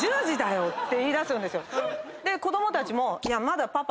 「もう」子供たちも。